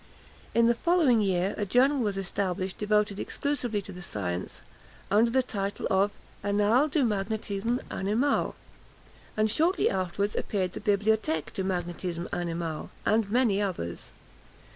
In the following year, a journal was established devoted exclusively to the science, under the title of Annales du Magnétisme Animal; and shortly afterwards appeared the Bibliothèque du Magnétisme Animal, and many others.